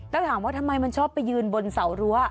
แล้วถามว่าทำไมมันชอบไปยืนบนเสารั้ว